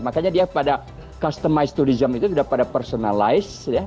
makanya dia pada customize tourism itu sudah pada personalized